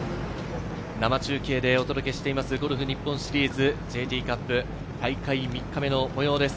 生中継でお届けしているゴルフ日本シリーズＪＴカップ、大会３日目の模様です。